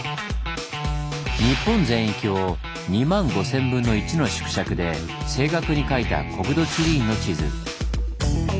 日本全域を２５，０００分の１の縮尺で正確に描いた国土地理院の地図。